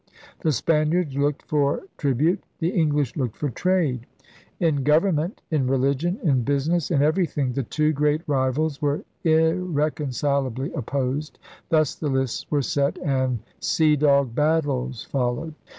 The Spaniards looked for trib ute. The English looked for trade. In govern ment, in religion, in business, in everything, the two great rivals were irreconcilably opposed. Thus the lists were set; and sea dog battles followed.